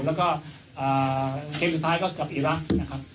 แล้วก็เกมสุดท้ายก็กับอีรักษ์นะครับ